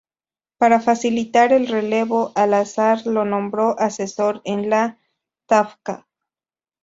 Para facilitar el relevo, el zar lo nombró asesor en la Stavka.